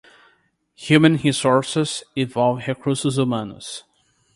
Human Resources envolve recursos humanos.